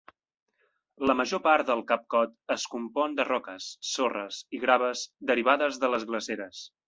La major part del Cap Cod es compon de roques, sorres i graves derivades de les glaceres.